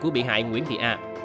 của bị hại nguyễn thị a